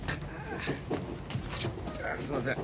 すんません。